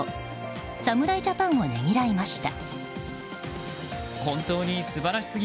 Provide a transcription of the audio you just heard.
侍ジャパンをねぎらいました。